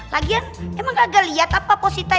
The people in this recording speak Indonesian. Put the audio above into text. lagian emang gak liat apa poh sittai